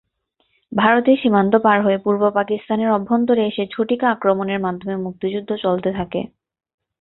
ভারতের সীমান্ত পার হয়ে পূর্ব পাকিস্তানের অভ্যন্তরে এসে ঝটিকা আক্রমণের মাধ্যমে মুক্তিযুদ্ধ চলতে থাকে।